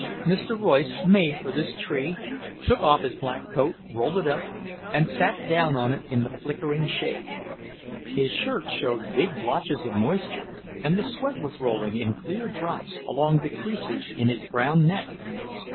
Mr. Royce made for this tree, took off his black coat, rolled it up, and sat down on it in the flickering shade. His shirt showed big blotches of moisture, and the sweat was rolling in clear drops along the creases in his brown neck.